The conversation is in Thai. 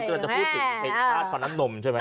ฮ่าหาสะปาน้ำนมใช่มั้ย